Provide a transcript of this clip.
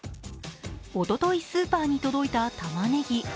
おとといスーパーに届いたたまねぎ